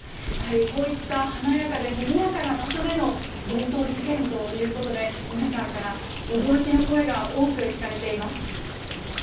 こういった華やかでにぎやかな場所での強盗事件ということで皆さんから驚きの声が多く聞かれています。